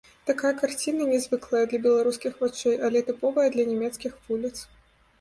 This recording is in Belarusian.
Такая карцінка нязвыклая для беларускіх вачэй, але тыповая для нямецкіх вуліц.